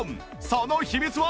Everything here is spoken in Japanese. その秘密は